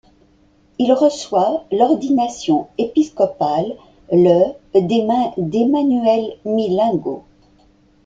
Il reçoit l'ordination épiscopale le des mains d'Emmanuel Milingo.